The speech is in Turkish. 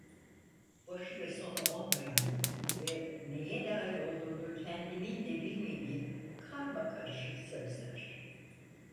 Başı ve sonu olmayan ve neye dair olduğunu kendimin de bilmediğim karmakarışık sözler.